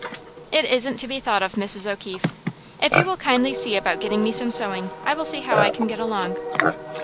"It isn't to be thought of, Mrs. O'Keefe. If you will kindly see about getting me some sewing, I will see how I can get along."